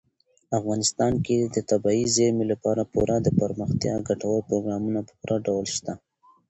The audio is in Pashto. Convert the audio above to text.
افغانستان کې د طبیعي زیرمې لپاره پوره دپرمختیا ګټور پروګرامونه په پوره ډول شته.